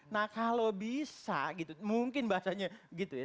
nah kalau bisa gitu mungkin bahasanya gitu ya